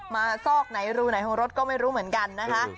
ซอกไหนรูไหนของรถก็ไม่รู้เหมือนกันนะคะ